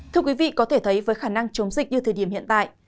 thưa quý vị có thể thấy với khả năng chống dịch như thời điểm hiện tại